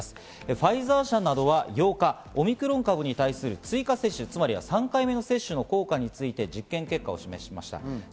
ファイザー社などは８日、オミクロン株に対する追加接種、つまりは３回目の接種の効果について実験結果を示しました。